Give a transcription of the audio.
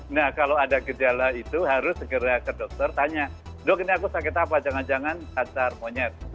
nah kalau ada gejala itu harus segera ke dokter tanya dok ini aku sakit apa jangan jangan cacar monyet